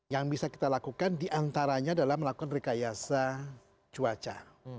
yang bisa kita lakukan diantaranya adalah melakukan rekayasa cuaca